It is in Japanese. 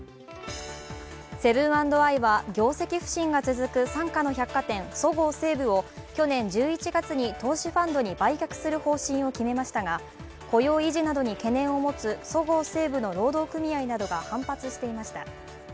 セブン＆アイは業績不振が続く参加の百貨店そごう・西武を去年１１月に投資ファンドに売却する方針を決めましたが、雇用維持などに懸念を持つそごう・西武の労働組合などが反発していました。